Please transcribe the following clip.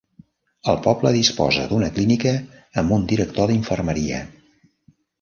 El poble disposa d'una clínica amb un director d'infermeria.